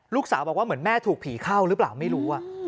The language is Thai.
ลูกสาวบอกว่าเหมือนแม่ถูกผีเข้าหรือเปล่าไม่รู้